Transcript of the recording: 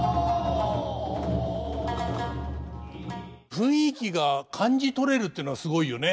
雰囲気が感じとれるっていうのはすごいよね。